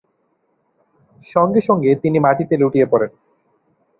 সঙ্গে সঙ্গে তিনি মাটিতে লুটিয়ে পড়েন।